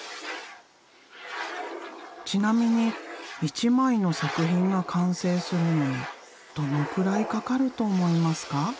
ちなみに一枚の作品が完成するのにどのくらいかかると思いますか？